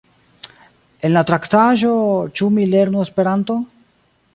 En la traktaĵo Ĉu mi lernu Esperanton?